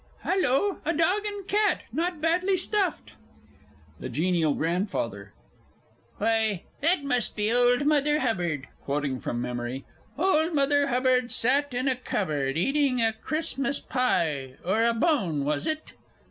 _) Hallo, a Dog and a Cat. Not badly stuffed! THE G. G. Why, that must be Old Mother Hubbard. (Quoting from memory.) "Old Mother Hubbard sat in a cupboard, eating a Christmas pie or a bone was it?"